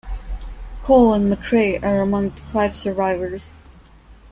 Call and McCrae are among the five survivors.